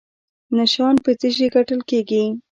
نشان په څه شي ګټل کیږي؟